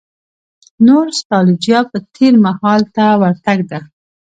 نو ستالجیا یا تېر مهال ته ورتګ ده.